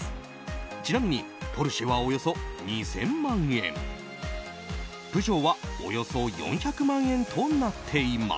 ちなみに、ポルシェはおよそ２０００万円プジョーはおよそ４００万円となっています。